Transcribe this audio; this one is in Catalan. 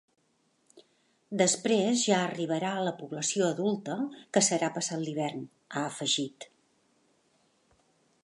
“Després, ja arribarà a la població adulta, que serà passat l’hivern”, ha afegit.